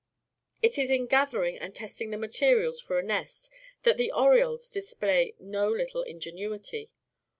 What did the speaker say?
It is in gathering and testing the materials for a nest that the orioles display no little ingenuity.